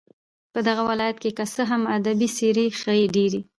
په دغه ولايت كې كه څه هم ادبي څېرې ښې ډېرې